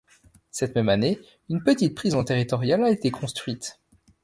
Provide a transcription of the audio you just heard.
Cette même année, une petite Prison Territoriale a été construite.